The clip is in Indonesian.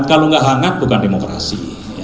kalau nggak hangat bukan demokrasi